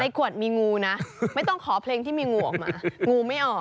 ขวดมีงูนะไม่ต้องขอเพลงที่มีงูออกมางูไม่ออก